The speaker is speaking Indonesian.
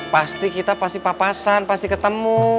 pasti kita pasti papasan pasti ketemu